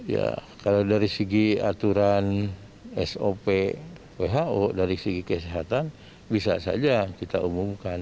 ya kalau dari segi aturan sop who dari segi kesehatan bisa saja kita umumkan